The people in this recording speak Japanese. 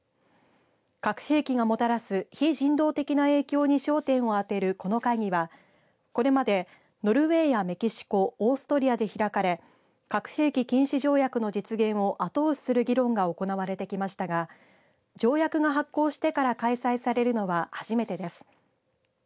核兵器がもたらす非人道的な影響に焦点を当てるこの会議はこれまでノルウェーやメキシコ、オーストリアで開かれ核兵器禁止条約の実現を後押しする議論が行われてきましたが条約が発効してから開催されるのは初めてです。